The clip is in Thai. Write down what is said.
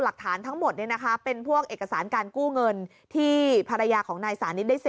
หลักฐานทั้งหมดเนี่ยนะคะเป็นพวกเอกสารการกู้เงินที่ภรรยาของนายสานเนี่ยได้